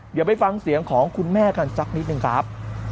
เดี๋ยวไปฟังเสียงของคุณแม่กันสักนิดหนึ่งครับ